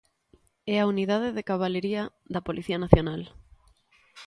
É a Unidade de Cabalería da Policía Nacional.